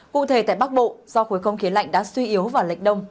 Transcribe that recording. cụ thể tại bắc bộ do khối không khí lạnh đã suy yếu vào lệch đông